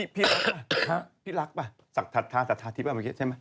พี่รักป่ะศักดิ์ฐาศักดิ์ฐาทิพย์ใช่ไหม